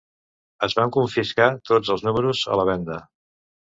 Es van confiscar tots els números a la venda.